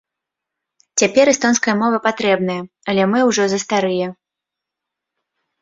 Цяпер эстонская мова патрэбная, але мы ўжо застарыя.